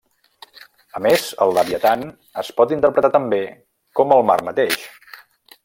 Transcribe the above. A més, el Leviatan es pot interpretar també com el mar mateix.